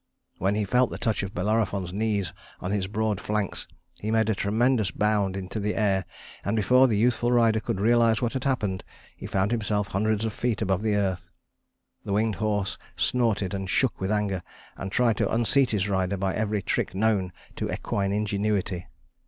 When he felt the touch of Bellerophon's knees on his broad flanks, he made a tremendous bound into the air, and before the youthful rider could realize what had happened, he found himself hundreds of feet above the earth. The winged horse snorted, and shook with anger, and tried to unseat his rider by every trick known to equine ingenuity.